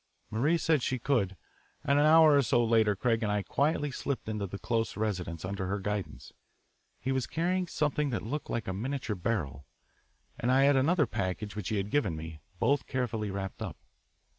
Marie said she could, and an hour or so later Craig and I quietly slipped into the Close residence under her guidance. He was carrying something that looked like a miniature barrel, and I had another package which he had given me, both carefully wrapped up.